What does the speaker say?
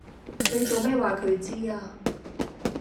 你做咩話佢知呀